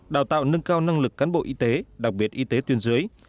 đào tạo nâng cao năng lực cán bộ y tế đặc biệt y tế tuyên dưới